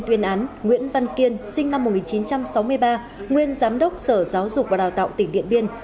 tuyên án nguyễn văn kiên sinh năm một nghìn chín trăm sáu mươi ba nguyên giám đốc sở giáo dục và đào tạo tỉnh điện biên